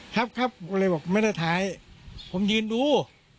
ครับครับผมเลยบอกว่าไม่ต้องถ่ายผมยืนดู